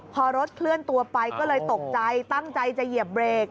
พอรถเคลื่อนตัวไปก็เลยตกใจตั้งใจจะเหยียบเบรก